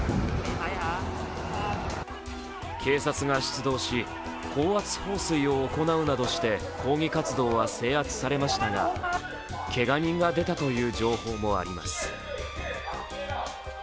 警察が出動し、高圧放水を行うなどして抗議活動は制圧されましたがけが人が出たという情報もあります。